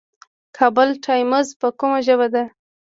کابل ټایمز په کومه ژبه ده؟